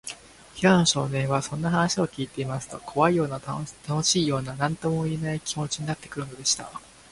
平野少年は、そんな話をきいていますと、こわいような、たのしいような、なんともいえない、気もちになってくるのでした。